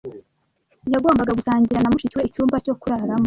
Yagombaga gusangira na mushiki we icyumba cyo kuraramo.